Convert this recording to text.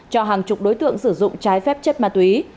cho hàng chục đối tượng sử dụng trái phép chất ma túy